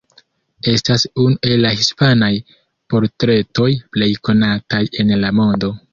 Estas unu el la hispanaj portretoj plej konataj en la mondo.